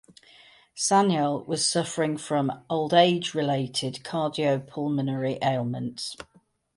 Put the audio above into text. Sanyal was suffering from old-age related cardio pulmonary ailments.